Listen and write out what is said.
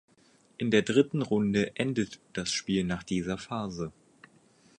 In der dritten Runde endet das Spiel nach dieser Phase.